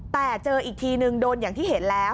แต่เจออีกทีนึงโดนอย่างที่เห็นแล้ว